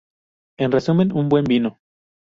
En resumen, un buen vino.